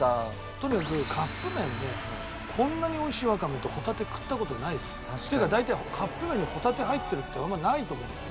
とにかくカップ麺でこんなに美味しいわかめとホタテ食った事ないです。というか大体カップ麺にホタテ入ってるってあんまないと思うんだよね。